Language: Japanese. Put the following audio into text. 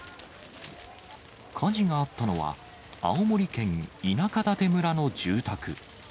火事があったのは、青森県田舎館村の住宅。